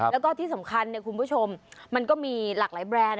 แล้วก็ที่สำคัญคุณผู้ชมมันก็มีหลากหลายแบรนด์